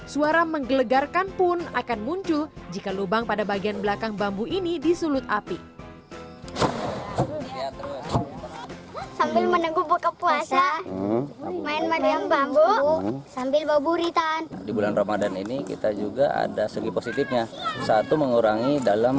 suara menggelegarkan pun akan muncul jika lubang pada bagian belakang bambu ini disulut api